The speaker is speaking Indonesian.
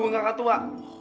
bunga kakak tua